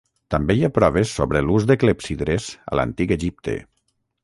També hi ha proves sobre l'ús de clepsidres a l'antic Egipte.